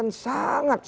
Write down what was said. saya kelihatan gimana